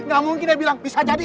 gak mungkin dia bilang bisa jadi